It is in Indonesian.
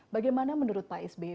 bagaimana menurut pak sby